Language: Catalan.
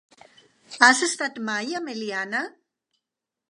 Has estat mai a Meliana?